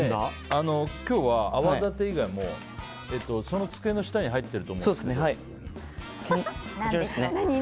今日は泡立て以外も机の下に入っていると思うけど。